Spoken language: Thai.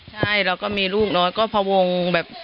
ใช่แล้วก็มีลูกน้อยก็พวงแบบ